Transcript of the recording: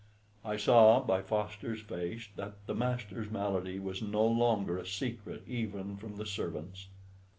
I saw by Foster's face that the master's malady was no longer a secret even from the servants.